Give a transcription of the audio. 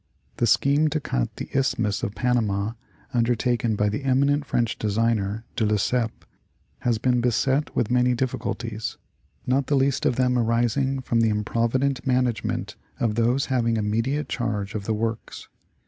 The scheme to cut the Isth mus of Panama, undertaken by the eminent French engineer, De Lesseps, has been beset with many difficulties, not the least of them arising from the improvident management of those having immediate charge of the works.